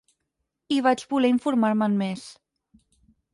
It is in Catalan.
I vaig voler informar-me'n més.